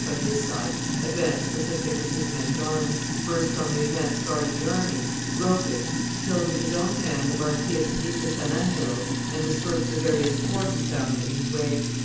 on his side, advanced with the pick of his men at arms, burst on the advance guard of the enemy, broke it, killed with his own hand the Marquis of Civita San Angelo, and dispersed the various corps he found in his way.